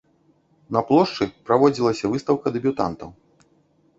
На плошчы праводзілася выстаўка дэбютантаў.